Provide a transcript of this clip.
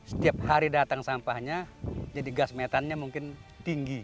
setiap hari datang sampahnya jadi gas metannya mungkin tinggi